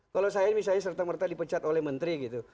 kalau saya misalnya serta merta dipecat oleh menteri gitu